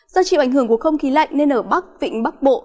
do chịu ảnh hưởng của không khí lạnh nên ở bắc vịnh bắc bộ